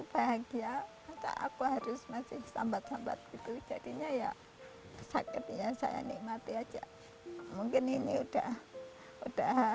bahagia kata aku harus masih sambat sambat gitu jadinya ya sakitnya saya nikmati aja mungkin ini udah udah